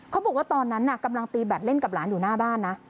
เขาบอกว่าตอนนั้นน่ะกำลังตีแบตเล่นกับหลานอยู่หน้าบ้านนะ